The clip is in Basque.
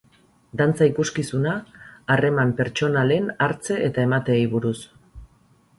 Dantza-ikuskizuna harreman pertsonalen hartze eta emateei buruz.